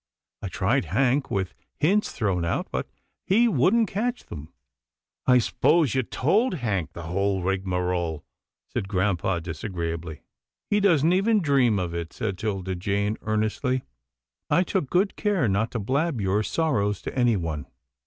I tried Hank with hints thrown out, but he wouldn't catch them." I s'pose you told Hank the whole rigmarole," said grampa disagreeably. " He doesn't even dream of it," said 'Tilda Jane, earnestly. " I took good care not to blab your sorrows to anyone.